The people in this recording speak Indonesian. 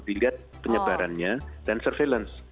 dilihat penyebarannya dan surveillance